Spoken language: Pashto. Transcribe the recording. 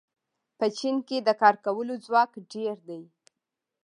په چین کې د کار کولو ځواک ډېر دی.